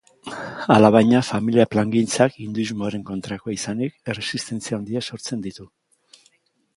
Alabaina, familia plangintzak, hinduismoaren kontrakoa izanik, erresistentzia handiak sortzen ditu.